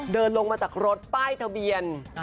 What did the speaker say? เดินลงมาจากรถป้ายทะเบียน